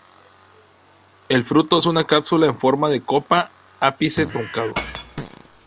El fruto es una cápsula en forma de copa, ápice truncado.